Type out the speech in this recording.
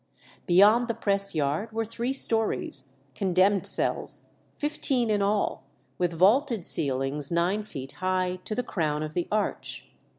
Beyond the press yard were three stories, condemned cells, fifteen in all, with vaulted ceilings nine feet high to the crown of the arch.